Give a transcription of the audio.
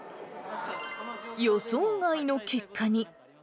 予想外の結果に。